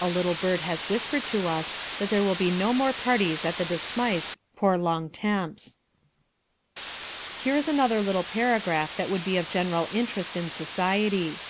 A little bird has whispered to us that there will be no more parties at the De Smythes' pour long temps. Here is another little paragraph that would be of general interest in society.